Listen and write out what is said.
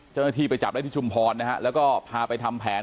เจ้าหน้าที่ไปจับได้ที่ชุมพรนะฮะแล้วก็พาไปทำแผน